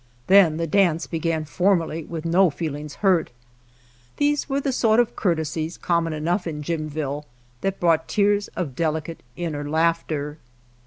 Then the dance began formally with no feelings hurt. These were the sort of cour tesies, common enough in Jimville, that brought tears of delicate inner laughter.